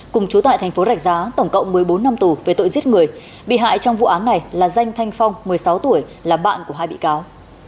cùng chú tại thành phố rạch giá tổng cộng một mươi bốn năm tù về tội giết người bị hại trong vụ án này là danh thanh phong một mươi sáu tuổi là bạn của hai bị cáo